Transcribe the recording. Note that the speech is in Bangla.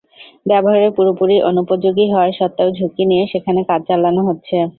ব্যবহারের পুরোপুরি অনুপযোগী হওয়া সত্ত্বেও ঝুঁকি নিয়ে সেখানে কাজ চালানো হচ্ছে।